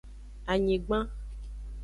Anyigban.